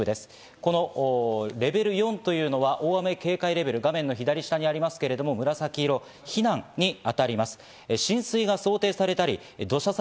このレベル４というのは大雨警戒レベル、画面の左下にありますけれども紫色が避難に当たります。